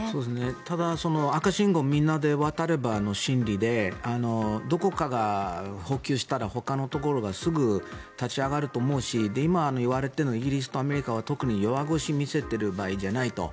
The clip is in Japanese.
ただ赤信号みんなで渡ればの心理でどこかが補給したらほかのところがすぐ立ち上がると思うし今、言われているのがイギリスとアメリカは特に弱腰を見せている場合じゃないと。